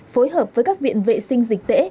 phối hợp với các viện vệ sinh dịch tễ